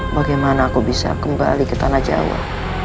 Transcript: bagaimana aku bisa kembali ke tanah jawa